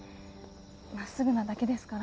まっすぐなだけですから。